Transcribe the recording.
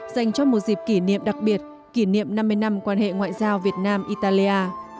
dành cho một dịp kỷ niệm đặc biệt kỷ niệm năm mươi năm quan hệ ngoại giao việt nam italia